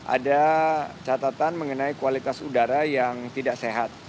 ada catatan mengenai kualitas udara yang tidak sehat